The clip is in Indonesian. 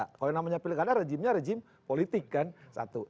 kalau yang namanya pilkada rejimnya rejim politik kan satu